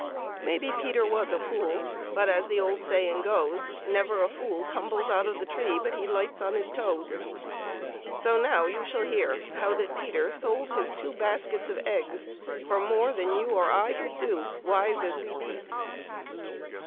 Maybe Peter was a fool ; but, as the old saying goes, never a fool tumbles out of the tree but he lights on his toes. So now you shall hear how that Peter sold his two baskets of eggs for more than you or I could do, wise as we be.